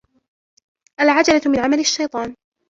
العجلة من عمل الشيطان.